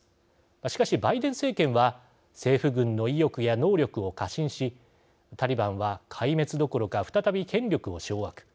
しかし、バイデン政権は政府軍の意欲や能力を過信しタリバンは壊滅どころか再び権力を掌握。